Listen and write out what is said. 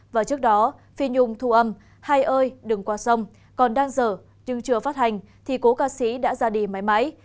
và trước đó phi nhung thu âm hai ơi đừng qua sông còn đang dở nhưng chưa phát hành thì cố ca sĩ đã ra đi máy máy